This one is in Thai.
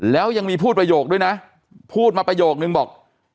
แล้วยังมีพูดประโยคด้วยนะพูดมาประโยคนึงบอก